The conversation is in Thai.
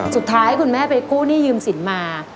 สุดท้ายคุณแม่ไปกู้หนี้ยืมสินมา